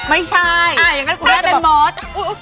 ไม่ใช่แม่เป็นมอส